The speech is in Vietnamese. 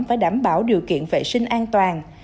và đảm bảo điều kiện vệ sinh an toàn